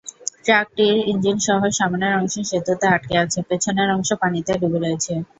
ট্রাকটির ইঞ্জিনসহ সামনের অংশ সেতুতে আটকে আছে, পেছনের অংশ পানিতে ডুবে রয়েছে।